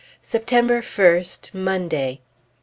September 1st, Monday.